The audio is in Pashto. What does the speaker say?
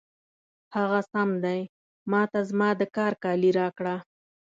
هغه سم دی، ما ته زما د کار کالي راکړه.